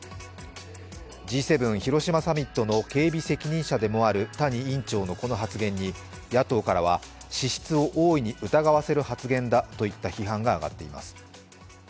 Ｇ７・広島サミットの経鼻責任者でもある谷氏のこの発言に野党からは資質を大いに疑わせる発言だといった批判が上がっています。